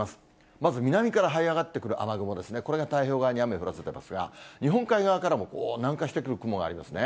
まず南からはい上がってくる雨雲ですね、これが太平洋側に雨を降らせていますが、日本海側からも南下してくる雲がありますね。